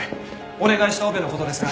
お願いしたオペの事ですが。